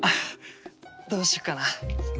どうしようかな。